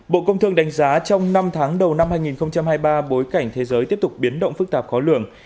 bộ công thương đánh giá trong năm tháng đầu năm hai nghìn hai mươi ba bối cảnh thế giới tiếp tục biến động phức tạp khó lường